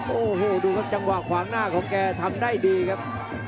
โอ้โหดูครับจังหวะขวางหน้าของแกทำได้ดีครับ